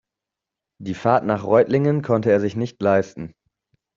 Die Fahrt nach Reutlingen konnte er sich nicht leisten